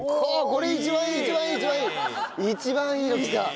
一番いいのきた。